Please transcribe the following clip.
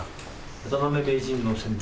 渡辺名人の先手